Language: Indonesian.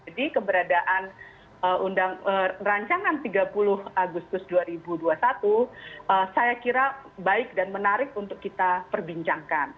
jadi keberadaan rancangan tiga puluh agustus dua ribu dua puluh satu saya kira baik dan menarik untuk kita perbincangkan